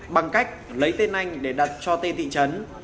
bằng cách lấy tên anh để đặt cho tên thị trấn